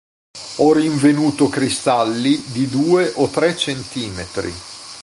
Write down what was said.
Ho rinvenuto, cristalli, di due o tre centimetri!